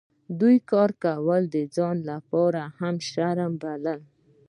دوی کار کول د ځان لپاره شرم باله.